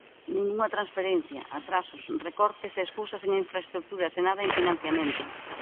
Ningunha transferencia, atrasos, recortes e escusas en infraestruturas e nada en financiamento.